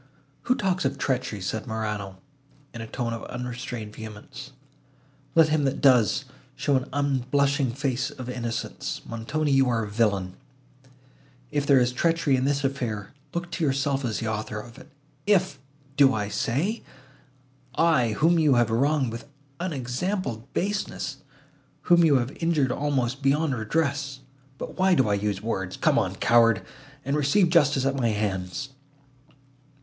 "Who talks of treachery?" said Morano, in a tone of unrestrained vehemence. "Let him that does, show an unblushing face of innocence. Montoni, you are a villain! If there is treachery in this affair, look to yourself as the author of it. If—do I say? I—whom you have wronged with unexampled baseness, whom you have injured almost beyond redress! But why do I use words?—Come on, coward, and receive justice at my hands!"